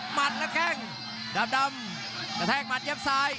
หมั่นแล้วแข่งดาบดำแน่แทงมันเย็บซ้าย